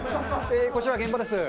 こちら現場です。